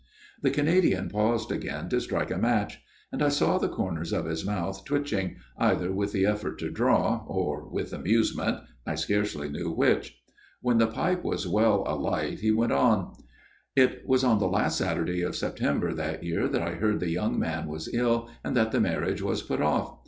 The Canadian paused again to strike a match ; and I saw the corners of his mouth twitching, either with the effort to draw, or with amuse ment I scarcely knew which. When the pipe was well alight, he went on :" It was on the last Sunday of September that year that I heard the young man was ill and that the marriage was put off.